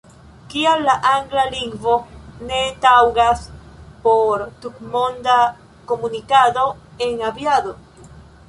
Kial la angla lingvo ne taŭgas por tutmonda komunikado en aviado?